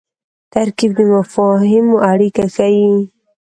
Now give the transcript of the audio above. ترکیب د مفاهیمو اړیکه ښيي.